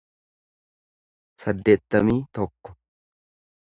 saddeettamii tokko